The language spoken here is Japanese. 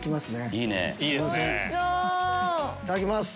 いただきます。